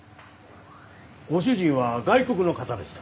ご主人は外国の方ですか？